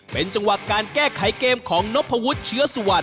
เป็นจังหวะการแก้ไขเกมของนพวุฒิเชื้อสุวรรค